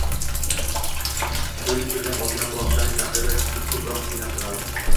Quyun uchirgan ojizgina uloqchaning taqdiri koʻproq oʻylantirardi